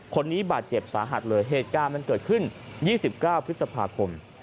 คนนี้บาดเจ็บสาหัสเลยเหตุการณ์มันเกิดขึ้น๒๙พฤษภาคม